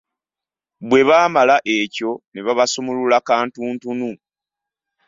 Bwe baamala ekyo, ne babasumulula kantuntunu.